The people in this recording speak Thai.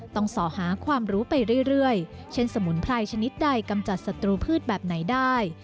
สอหาความรู้ไปเรื่อยเช่นสมุนไพรชนิดใดกำจัดศัตรูพืชแบบไหนได้